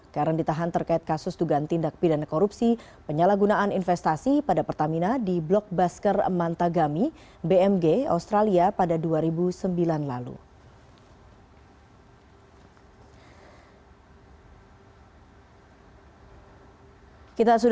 karen ditahan terkait kasus dugaan tindak pidana korupsi penyalahgunaan investasi pada pertamina di blockbuster mantagami bmg australia pada dua ribu sembilan lalu